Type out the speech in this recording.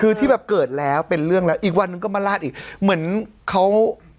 คือที่แบบเกิดแล้วเป็นเรื่องแล้วอีกวันหนึ่งก็มาลาดอีกเหมือนเขา